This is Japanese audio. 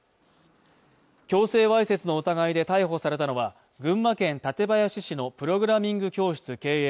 強制わいせつの疑いで逮捕されたのは群馬県館林市のプログラミング教室経営